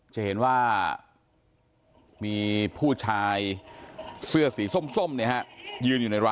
จะเห็นว่ามีผู้ชายเสื้อสีส้มเนี่ยฮะยืนอยู่ในร้าน